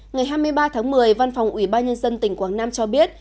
ngày hai mươi ba tháng một mươi văn phòng ủy ban nhân dân tỉnh quảng nam cho biết